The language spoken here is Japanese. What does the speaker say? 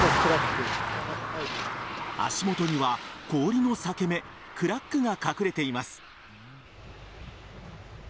足元には氷の裂け目クラックが隠れています。